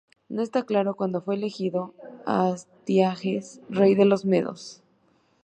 No está claro cuándo fue elegido Astiages rey de los medos.